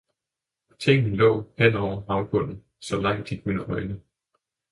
Tingen lå hen over havbunden, så langt de kunne øjne.